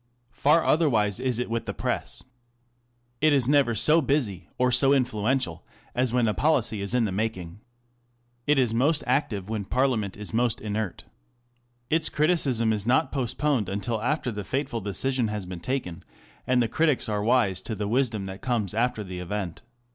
Far otherwise is it with the Press. It js never so busy or so influential as when a policy is in the making. It is most active when Parliament is most inert. Its criticism is not postponed until after the fateful decision has been taken, and the critics are wise with the wisdom that comes after the event.